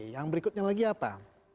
yang berikutnya lagi apa